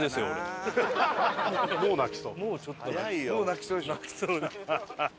もう泣きそう？